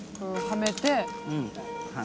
はめて。